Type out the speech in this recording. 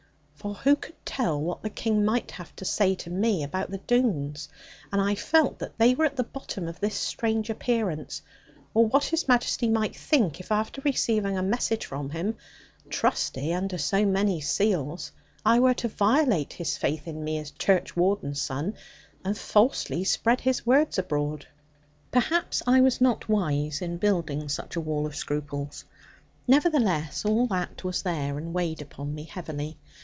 For who could tell what the King might have to say to me about the Doones and I felt that they were at the bottom of this strange appearance or what His Majesty might think, if after receiving a message from him (trusty under so many seals) I were to violate his faith in me as a churchwarden's son, and falsely spread his words abroad? Perhaps I was not wise in building such a wall of scruples. Nevertheless, all that was there, and weighed upon me heavily.